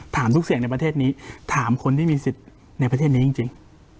ถามทุกเสียงในประเทศนี้ถามคนที่มีสิทธิ์ในประเทศนี้จริง